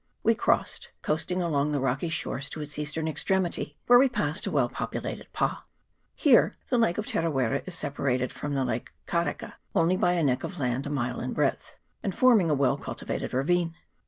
We crossed, coasting along the rocky shores to its eastern extremity, where we passed a well populated pa. Here the lake of Tera wera is sepa rated from the lake Kareka only by a neck of land a mile in breadth, and forming a well cultivated ravine.